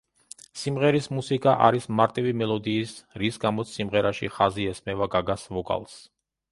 სიმღერის მუსიკა არის მარტივი მელოდიის რის გამოც სიმღერაში ხაზი ესმევა გაგას ვოკალს.